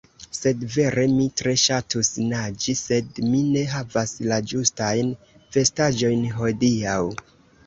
Sed vere, mi tre ŝatus naĝi sed mi ne havas la ĝustajn vestaĵojn hodiaŭ